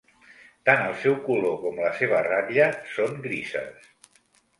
Tant el seu color com la seva ratlla són grises.